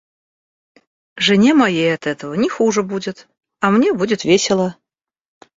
Жене моей от этого не хуже будет, а мне будет весело.